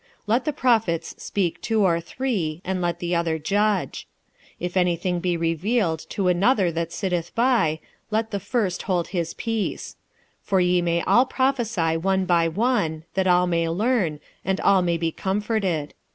46:014:029 Let the prophets speak two or three, and let the other judge. 46:014:030 If any thing be revealed to another that sitteth by, let the first hold his peace. 46:014:031 For ye may all prophesy one by one, that all may learn, and all may be comforted.